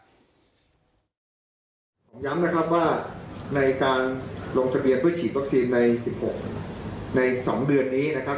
ผมย้ำนะครับว่าในการลงทะเบียนเพื่อฉีดวัคซีนใน๑๖ใน๒เดือนนี้นะครับ